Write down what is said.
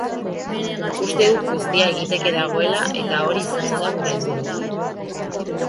Uste dut guztia egiteke dagoela eta hori izango da gure helburua.